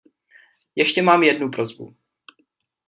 Ještě mám jednu prosbu.